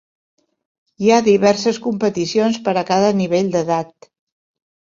Hi ha diverses competicions per a cada nivell d'edat.